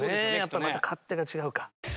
やっぱまた勝手が違うか。